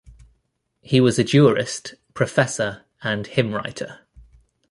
He was a Jurist, Professor and Hymn writer.